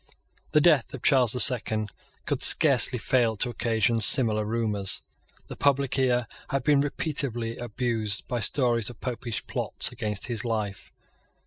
The death of Charles the Second could scarcely fail to occasion similar rumours. The public ear had been repeatedly abused by stories of Popish plots against his life.